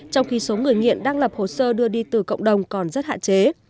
trong khi số người nghiện đang lập hồ sơ đưa đi từ cộng đồng còn rất hạn chế